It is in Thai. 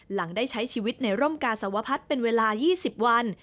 หลังได้ใช้ชีวิตในร่มกาสวพัฒน์เป็นเวลา๒๐วัน